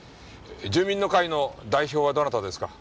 住民の会の代表はどなたですか？